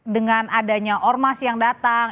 dengan adanya ormas yang datang